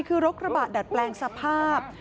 คือรถกระบะดัดแปลงสภาพ